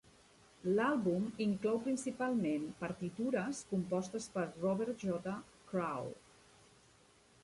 L'àlbum inclou principalment partitures compostes per Robert J. Kral.